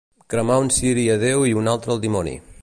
Cremar un ciri a Déu i un altre al dimoni.